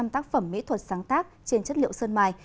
một trăm linh tác phẩm mỹ thuật sáng tác trên chất liệu sơn mài